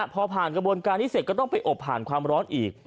พอผ่านกระบวนการนี้เสร็จก็ต้องไปอบผ่านความร้อนอีก